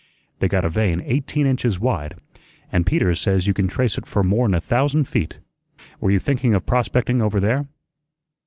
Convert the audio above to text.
They got a vein eighteen inches wide, an' Peters says you can trace it for more'n a thousand feet. Were you thinking of prospecting over there?"